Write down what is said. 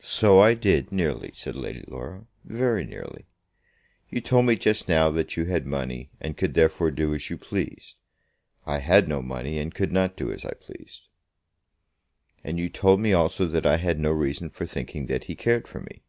"So I did, nearly " said Lady Laura; "very nearly. You told me just now that you had money, and could therefore do as you pleased. I had no money, and could not do as I pleased." "And you told me also that I had no reason for thinking that he cared for me."